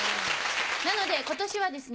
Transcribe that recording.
なので今年はですね